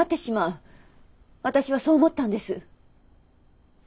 私はそう思ったんです。